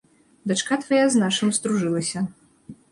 Дачка твая з нашым здружылася.